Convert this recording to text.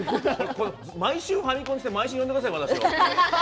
毎週ファミコンして毎週呼んでください、私を。